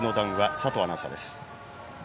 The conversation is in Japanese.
佐藤アナウンサーです。